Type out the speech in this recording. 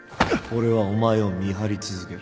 俺はお前を見張り続ける